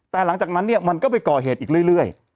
แต่หลังจากนั้นเนี่ยมันก็ไปก่อเหตุอีกเรื่อย